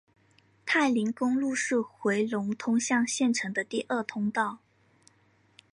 太临公路是回龙通向县城的第二通道。